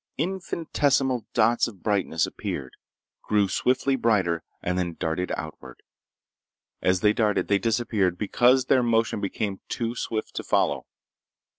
Infinitesimal dots of brightness appeared, grew swiftly brighter and then darted outward. As they darted they disappeared because their motion became too swift to follow.